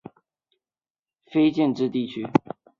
纽纳塔是位于美国阿肯色州斯通县的一个非建制地区。